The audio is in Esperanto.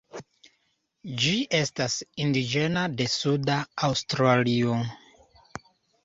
Ĝi estas indiĝena de suda Aŭstralio.